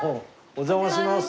お邪魔します。